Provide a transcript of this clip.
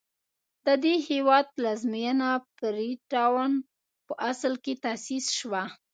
د دې هېواد پلازمېنه فري ټاون په اصل کې تاسیس شوه.